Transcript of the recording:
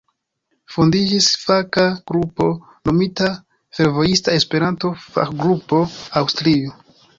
Fondiĝis faka grupo nomita "Fervojista Esperanto-Fakgrupo Aŭstrio".